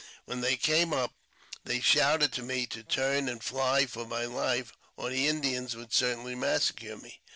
When they came up, they shouted to me to turn and fly for my life, or the Indians would certainly massacre me.